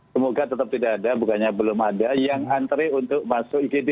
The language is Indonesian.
semoga tetap tidak ada bukannya belum ada yang antre untuk masuk igd